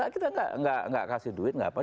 kita tidak kasih duit tidak apa apa